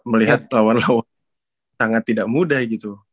melihat lawan lawan sangat tidak mudah gitu